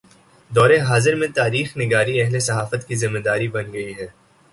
دور حاضر میں تاریخ نگاری اہل صحافت کی ذمہ داری بن گئی ہے۔